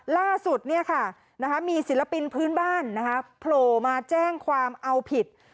ล่าสุดเนี้ยค่ะนะคะมีศิลปินพื้นบ้านนะคะโผล่มาแจ้งความเอาผิด